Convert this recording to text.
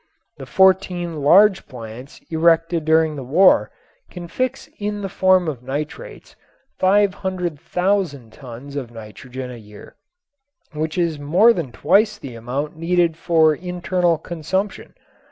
The fourteen large plants erected during the war can fix in the form of nitrates 500,000 tons of nitrogen a year, which is more than twice the amount needed for internal consumption.